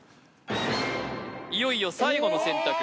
いよいよ最後の選択